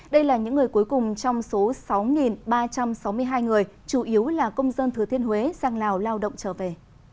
đây là những người cuối cùng trong số sáu ba trăm sáu mươi hai người chủ yếu là công dân thừa thiên huế sang lào lao động trở về